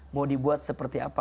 mau dibuat seperti apa